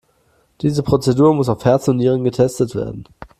Diese Prozedur muss auf Herz und Nieren getestet werden.